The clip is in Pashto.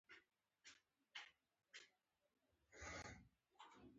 جميلې وويل: موږ دواړه یو له بله راضي یو.